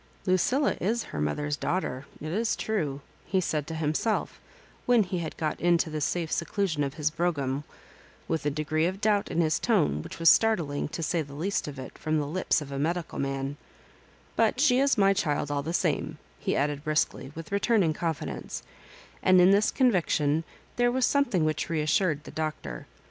" Lucilla is her mother's daughter, it is true," he said to himself when he had got into the safe seduaion of his brougham, with a degree of doubt in his tone which was startling, to say the least of it, from the lips of a medical man ;" but she is my child all the same," he added briskly, with returning confidence; and in this conviction there was something which reassured the Doctor.